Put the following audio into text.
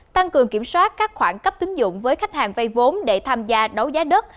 tăng cường kiểm soát các khoản cấp tính dụng với khách hàng vay vốn để tham gia đấu giá đất